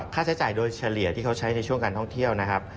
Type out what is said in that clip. ค่าใช้จ่ายโดยเฉลี่ยที่เขาใช้ในช่วงการท่องเที่ยวนะครับ